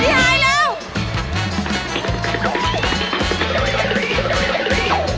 ดูไปแล้วครับ